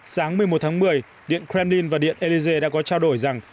sáng một mươi một tháng một mươi điện kremlin và điện élysé đã có trao đổi rằng